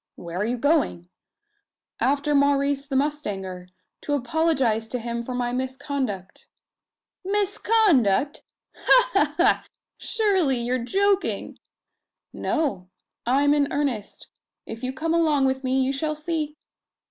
"Where are you going?" "After Maurice the mustanger to apologise to him for my misconduct." "Misconduct! Ha ha ha! Surely you are joking?" "No. I'm in earnest. If you come along with me, you shall see!"